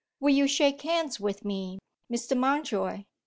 "Will you shake hands with me, Mr. Mountjoy?"